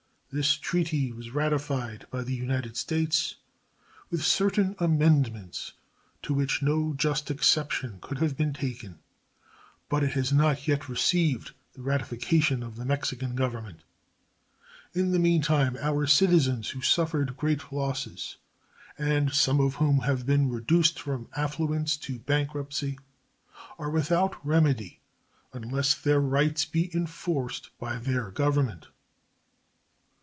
This treaty was ratified by the United States with certain amendments to which no just exception could have been taken, but it has not yet received the ratification of the Mexican Government. In the meantime our citizens, who suffered great losses and some of whom have been reduced from affluence to bankruptcy are without remedy unless their rights be enforced by their Government.